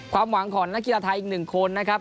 ความหวังของนักกีฬาไทยอีก๑คนนะครับ